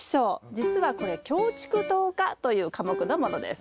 じつはこれキョウチクトウ科という科目のものです。